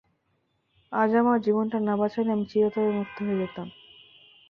আজ আমার জীবনটা না বাঁচালে আমি চিরতরে মুক্ত হয়ে যেতাম।